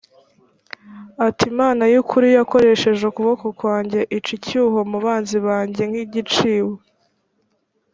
ati imana y ukuri yakoresheje ukuboko kwanjye ica icyuho mu banzi banjye nk igiciwe